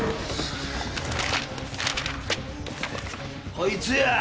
こいつや！